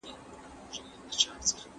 د هوتکو حکومت د پښتنو د ویاړ دوره وه.